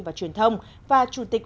và truyền thông và chủ tịch